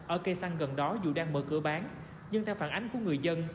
ở cây xăng gần đó dù đang mở cửa bán nhưng theo phản ánh của người dân